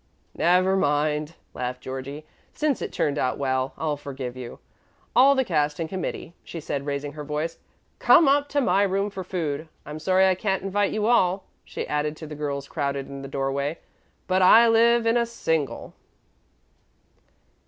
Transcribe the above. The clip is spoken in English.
"Never mind," laughed Georgie; "since it turned out well, I'll forgive you. All the cast and committee," she said, raising her voice, "come up to my room for food. I'm sorry I can't invite you all," she added to the girls crowded in the doorway, "but I live in a single."